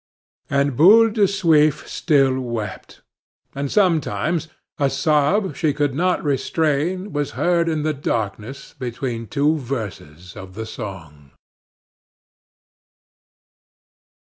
And Boule de Suif still wept, and sometimes a sob she could not restrain was heard in the darkness between two verses of the song.